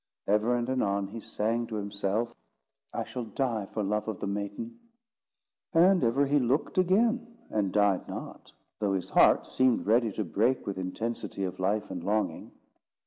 Ever and anon he sang to himself: "I shall die for love of the maiden;" and ever he looked again, and died not, though his heart seemed ready to break with intensity of life and longing.